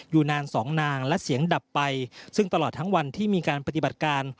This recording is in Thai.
อยู่นานสองนางและเสียงดับไปซึ่งตลอดทั้งวันที่มีการปฏิบัติการ